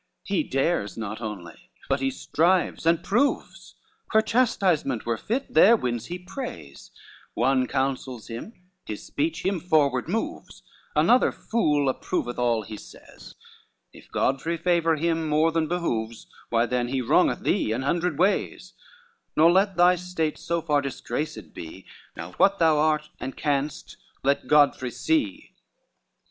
XXII He dares not only, but he strives and proves, Where chastisement were fit there wins he praise: One counsels him, his speech him forward moves; Another fool approveth all he says: If Godfrey favor him more than behoves, Why then he wrongeth thee an hundred ways; Nor let thy state so far disgraced be, Now what thou art and canst, let Godfrey see.